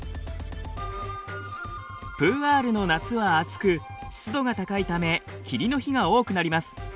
プーアールの夏は暑く湿度が高いため霧の日が多くなります。